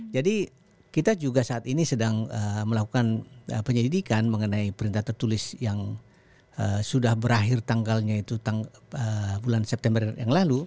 jadi kita juga saat ini sedang melakukan penyelidikan mengenai perintah tertulis yang sudah berakhir tanggalnya itu bulan september yang lalu